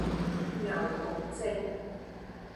牛熊證